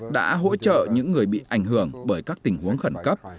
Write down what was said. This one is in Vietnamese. đã hỗ trợ những người bị ảnh hưởng bởi các tình huống khẩn cấp